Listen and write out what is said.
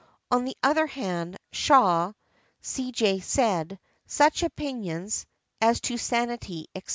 On the other hand, Shaw, C.J., said, "such opinions (as to sanity, etc.)